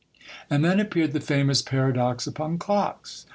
And then appeared the famous Paradox upon Clocks.